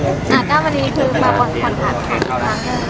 อ่ะก้าววันนี้คือมาบอสควันฐานอีกครั้ง